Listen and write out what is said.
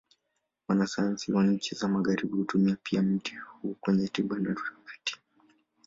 Wanasayansi wa nchi za Magharibi hutumia pia mti huu kwenye tiba na utafiti.